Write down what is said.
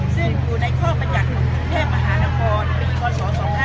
ซึ่งอยู่ในข้อประหยัดแทบมหานครส่๒๕๓๒